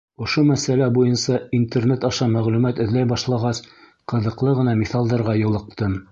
Ошо мәсьәлә буйынса Интернет аша мәғлүмәт эҙләй башлағас, ҡыҙыҡлы ғына миҫалдарға юлыҡтым.